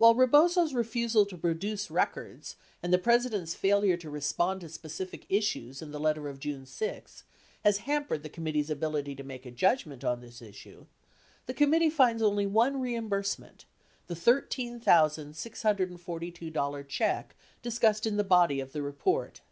IVhile Rebozo's refusal to produce records and the President's failure to respond to specific issues in the letter of June 6 has hampered the committee's ability to make a judgment on this issue, the committee finds only one reimbursement, the $13,642 check discussed in the bodv (if the report.